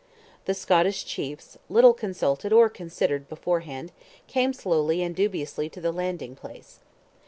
The Scottish chiefs, little consulted or considered beforehand, came slowly and dubiously to the landing place.